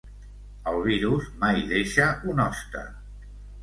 El virus mai deixa un hoste.